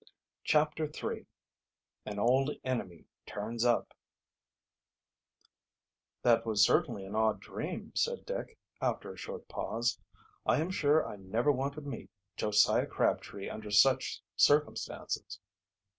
CHAPTER III AN OLD ENEMY TURNS UP "That was certainly an odd dream," said Dick, after a short pause. "I am sure I never want to meet Josiah Crabtree under such circumstances."